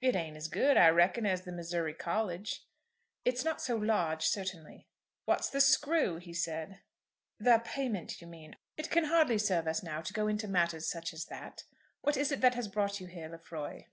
"It ain't as good, I reckon, as the Missouri College." "It's not so large, certainly." "What's the screw?" he said. "The payment, you mean. It can hardly serve us now to go into matters such as that. What is it that has brought you here, Lefroy?"